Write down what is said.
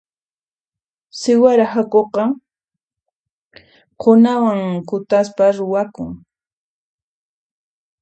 Siwara hak'uqa qhunawan kutaspa ruwakun.